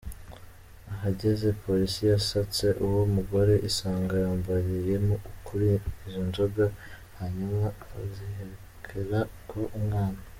Ahageze, Polisi yasatse uwo mugore isanga yambariye kuri izo nzoga; hanyuma azihekera ho umwana.